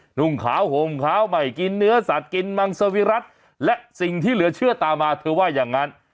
หนุ่มขาวห่มขาวใหม่กินเนื้อสัตว์กินมังสวิรัติและสิ่งที่เหลือเชื่อตามมาเธอว่าอย่างนั้น